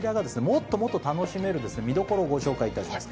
もっともっと楽しめる見どころをご紹介します